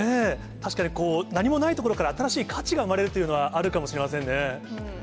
確かに、何もないところから新しい価値が生まれるというのは、あるかもしれませんね。